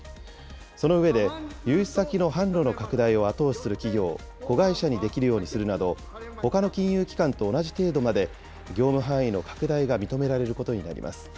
その上で、融資先の販路の拡大を後押しする企業を子会社にできるようにするなど、ほかの金融機関と同じ程度まで、業務範囲の拡大が認められることになります。